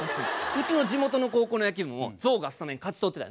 うちの地元の高校の野球部も象がスタメン勝ち取ってた。